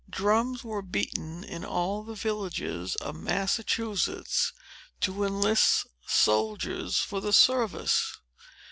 Drums were beaten in all the villages of Massachusetts, to enlist soldiers for the service.